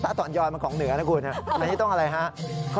เตาตอนยอดมันของเหนือแล้วกูนะครับ